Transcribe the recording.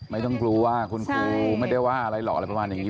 ไม่ต้องรู้ว่าคุณครูไม่ได้ว่าอะไรหรอก